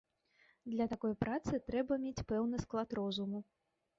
Для такой працы трэба мець пэўны склад розуму.